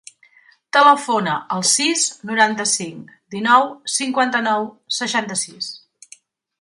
Telefona al sis, noranta-cinc, dinou, cinquanta-nou, seixanta-sis.